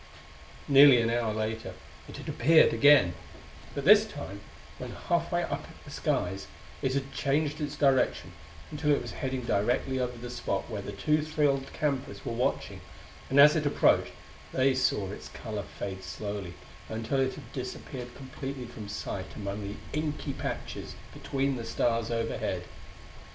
Nearly an hour later it had appeared again; but this time, when halfway up the skies, it had changed its direction until it was heading directly over the spot where the two thrilled campers were watching; and as it approached they saw its color fade slowly until it had disappeared completely from sight among the inky patches between the stars overhead.